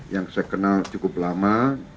yang saya kenal cukup lama